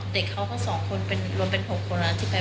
เมื่อกี้ขึ้นมาบนรถเรา